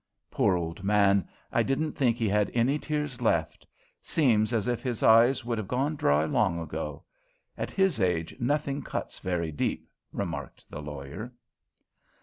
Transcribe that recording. "Poor old man, I didn't think he had any tears left. Seems as if his eyes would have gone dry long ago. At his age nothing cuts very deep," remarked the lawyer.